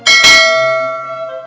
tungguetic lebih berbincang mak